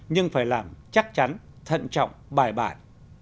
nhưng phải làm chắc chắn thận trọng bài bản